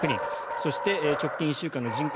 そして、直近１週間の人口